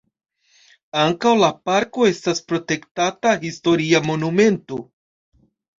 Ankaŭ la parko estas protektata historia monumento.